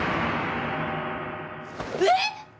えっ！？